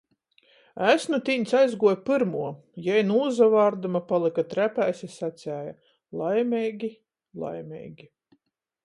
Es nu tīņs aizguoju pyrmuo. Jei nūsavārdama palyka trepēs i saceja: laimeigi, laimeigi.